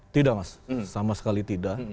tidak mas sama sekali tidak